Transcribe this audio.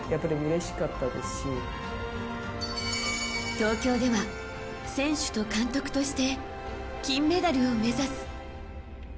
東京では選手と監督として金メダルを目指す。